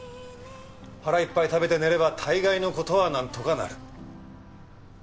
「腹いっぱい食べて寝れば大概の事はなんとかなる」。